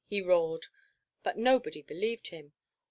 he roared. But nobody believed him.